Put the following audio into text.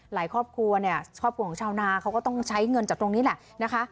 ครอบครัวเนี่ยครอบครัวของชาวนาเขาก็ต้องใช้เงินจากตรงนี้แหละนะคะ